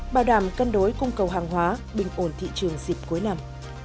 bảo đảm cân đối cung cầu hàng hóa bình ổn thị trường dịp cuối năm